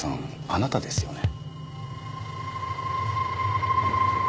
あなたですよね。